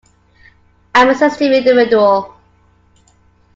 I'm a sensitive individual.